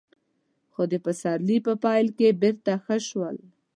خو د پسرلي په پيل کې بېرته ښه شول.